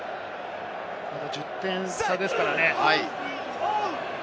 １０点差ですからね。